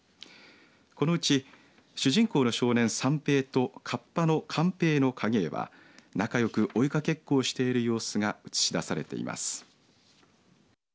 このうち、主人公の少年、三平とかっぱのかん平の影絵は仲良く追いかけっこをしている様子が映し出されています。